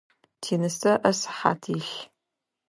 Тинысэ ыӏэ сыхьат илъ.